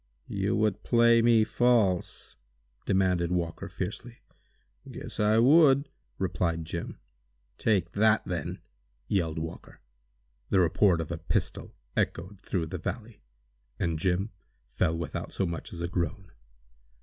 "You would play me false!" demanded Walker, fiercely. "Guess I would!" replied Jim. "Take that, then!" yelled Walker. The report of a pistol echoed through the valley, and Jim fell without so much as a groan.